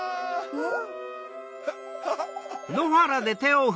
うん。